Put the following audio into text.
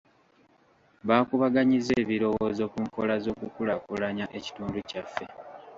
Baakubaganyizza ebirowoozo ku nkola z'okukulaakulanya ekitundu kyaffe.